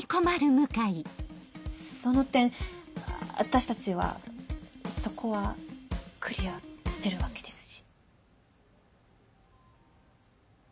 その点私たちはそこはクリアしてるわけですし。